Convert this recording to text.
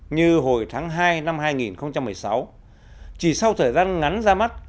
như hồi tháng hai năm hai nghìn một mươi sáu chỉ sau thời gian ngắn ra mắt